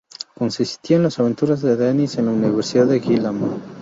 Consistía en las aventuras de Denise en la Universidad de Hillman.